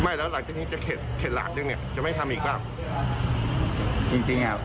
ไม่แล้วหลังจากนี้จะเข็ดหลักด้วยไหมจะไม่ทำอีกหรือเปล่า